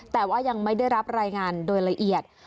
แต่ว่ายังไม่ได้รับรายงานโดยละเอียด